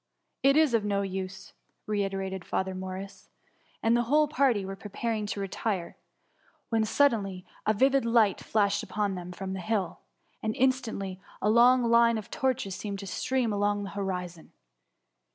" It is of no use,^ reiterated Father Morris, and the whole party were preparing to retire, when suddenly a vivid light flashed upon them from the hill, and instantly a long line of torches seemed to stream along the horizon.